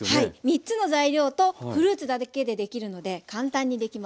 ３つの材料とフルーツだけでできるので簡単にできます。